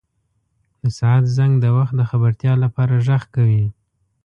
• د ساعت زنګ د وخت د خبرتیا لپاره ږغ کوي.